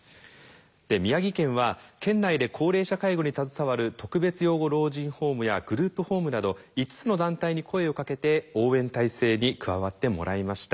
宮城県は県内で高齢者介護に携わる特別養護老人ホームやグループホームなど５つの団体に声をかけて応援体制に加わってもらいました。